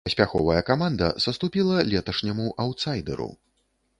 Паспяховая каманда саступіла леташняму аўтсайдэру.